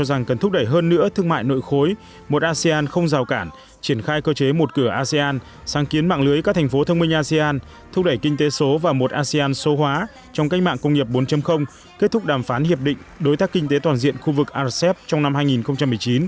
đã khai cơ chế một cửa asean sáng kiến mạng lưới các thành phố thông minh asean thúc đẩy kinh tế số và một asean số hóa trong cách mạng công nghiệp bốn kết thúc đàm phán hiệp định đối tác kinh tế toàn diện khu vực rcep trong năm hai nghìn một mươi chín